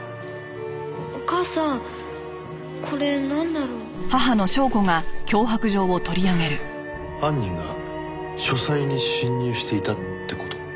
お母さんこれなんだろう？ああ。犯人が書斎に侵入していたって事？